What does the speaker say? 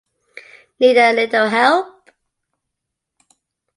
Need a little help?